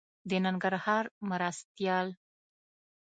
د ننګرهار مرستيال